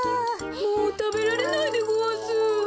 もうたべられないでごわす。